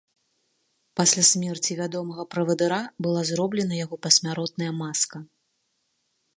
Пасля смерці вядомага правадыра была зроблена яго пасмяротная маска.